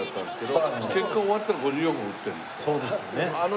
そうですね。